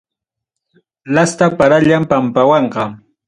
Lasta parallam pampawanqa.